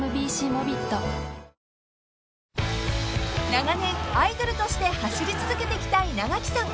［長年アイドルとして走り続けてきた稲垣さん］